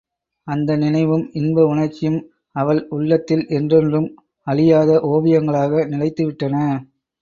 அந்த நினைவும் இன்ப உணர்ச்சியும் அவள் உள்ளத்தில் என்றென்றும் அழியாத ஓவியங்களாக நிலைத்துவிட்டன.